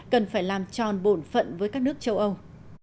cần phải làm tròn bổn phận với các nước châu âu